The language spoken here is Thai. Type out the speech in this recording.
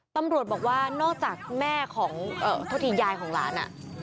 ตำรวจบอกว่านอกจากแม่ของโทษทียายของหลาน